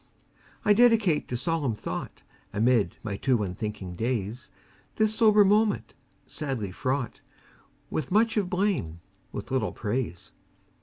I dedicate to solemn thought Amid my too unthinking days, This sober moment, sadly fraught With much of blame, with little praise.